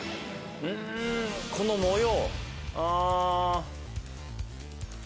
んこの模様？